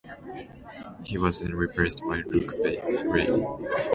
He was then replaced by Luke Ray.